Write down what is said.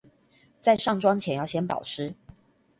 在上妝前要先保濕